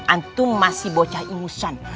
antum masih bocah imusan